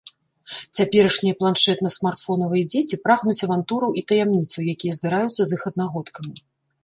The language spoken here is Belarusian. Цяперашнія планшэтна-смартфонавыя дзеці прагнуць авантураў і таямніцаў, якія здараюцца з іх аднагодкамі.